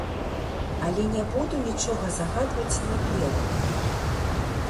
Але не буду нічога загадаваць наперад.